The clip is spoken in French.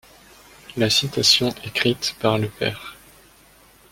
La citation écrite par le père.